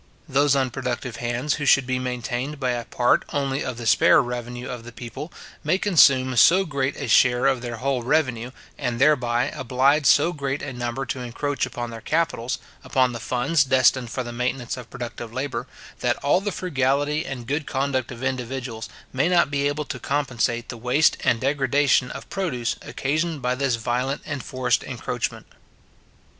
Those unproductive hands who should be maintained by a part only of the spare revenue of the people, may consume so great a share of their whole revenue, and thereby oblige so great a number to encroach upon their capitals, upon the funds destined for the maintenance of productive labour, that all the frugality and good conduct of individuals may not be able to compensate the waste and degradation of produce occasioned by this violent and forced encroachment.